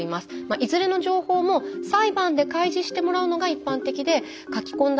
いずれの情報も裁判で開示してもらうのが一般的で書き込んだ